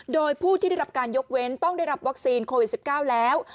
โดยผู้ที่ได้รับการยกเว้นต้องได้รับวัคซีนโควิด๑๙แล้ว